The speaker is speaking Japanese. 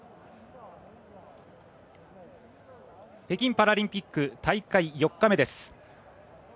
北京パラリンピック大会４日目です。